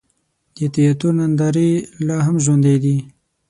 د تیاتر نندارې لا هم ژوندۍ دي.